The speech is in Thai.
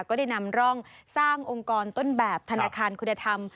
ก็ได้นำร่องสร้างองค์กรต้นแบบธนาคารคุณธรรม